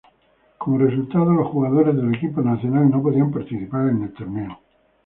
Como resultado, los jugadores del equipo nacional no podían participar en el torneo.